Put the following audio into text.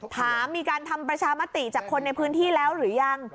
ถามมีการทำประชามติจากคนในพื้นที่แล้วหรือยัง